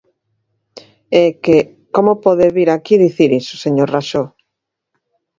É que ¿como pode vir aquí dicir iso, señor Raxó?